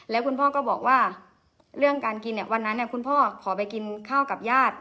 แล้วคุณพ่อก็บอกว่าเรื่องการกินเนี่ยวันนั้นคุณพ่อขอไปกินข้าวกับญาติ